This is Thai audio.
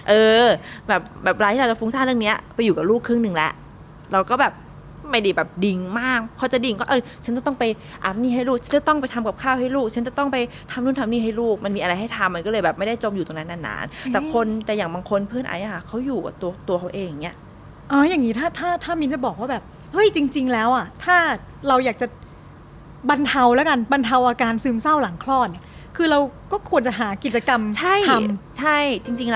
เออแบบแบบอะไรที่เราจะฟุ้งซ่านเรื่องเนี้ยไปอยู่กับลูกครึ่งหนึ่งแล้วเราก็แบบไม่ได้แบบดิงมากพอจะดิงก็เออฉันจะต้องไปอาบนี่ให้ลูกฉันจะต้องไปทำกับข้าวให้ลูกฉันจะต้องไปทำนู่นทำนี่ให้ลูกมันมีอะไรให้ทำมันก็เลยแบบไม่ได้จมอยู่ตรงนั้นนานนานแต่คนแต่อย่างบางคนเพื่อนไออ่ะเขาอยู่กับตัวตัวเขาเองอย่างเงี้